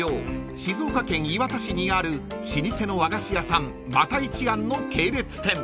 静岡県磐田市にある老舗の和菓子屋さん又一庵の系列店］